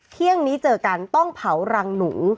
เที่ยงนี้เจอกันต้องเผารังหนู